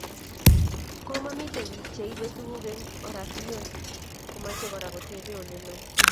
Komomete bik che ibei tuguk eng oratinwek komochei Kora kotebe Ole loo